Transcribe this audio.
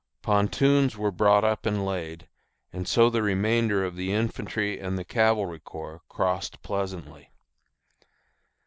Pontoons were brought up and laid, and so the remainder of the infantry and the cavalry corps crossed pleasantly.